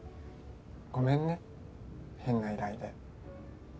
ごめんね変な依頼で。